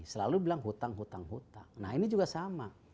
selalu bilang utang utang nah ini juga sama